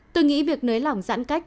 tôi nghĩ việc nới lỏng giãn cách